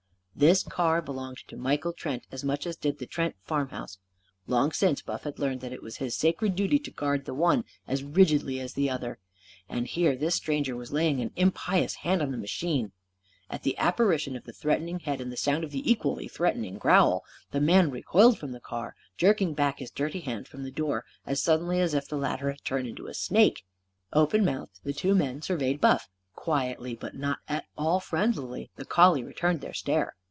This car belonged to Michael Trent as much as did the Trent farmhouse. Long since, Buff had learned that it was his sacred duty to guard the one as rigidly as the other. And here this stranger was laying an impious hand on the machine! At the apparition of the threatening head and at the sound of the equally threatening growl, the man recoiled from the car, jerking back his dirty hand from the door as suddenly as if the latter had turned into a snake. Open mouthed, the two men surveyed Buff. Quietly, but not at all friendlily, the collie returned their stare.